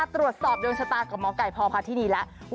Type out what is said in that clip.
ตรวจสอบดวงชะตากับหมอไก่พพาธินีแล้ว